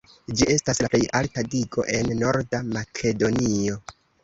Ĝi estas la plej alta digo en Norda Makedonio.